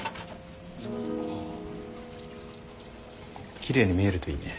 奇麗に見えるといいね。